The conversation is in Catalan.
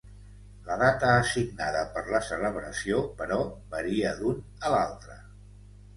La data assignada per la celebració, però, varia d'un a l'altre.